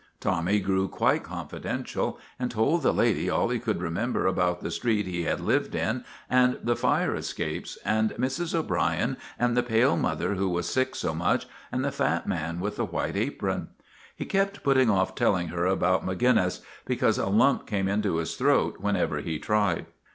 Tommy grew quite confidential and told the lady all he could remember about the street he had lived in and the fire escapes and Mrs. O'Brien and the pale mother who was sick so much and the fat man with the white apron. He kept putting off telling her about Maginnis, because a lump came into his throat whenever he tried.